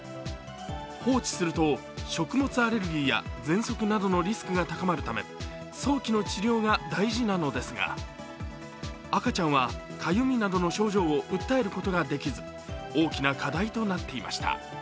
放置すると食物アレルギーやぜんそくなどのリスクが高まるため早期の治療が大事なのですが赤ちゃんはかゆみなどの症状を訴えることができず大きな課題となっていました。